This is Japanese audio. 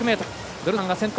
ドルスマンが先頭。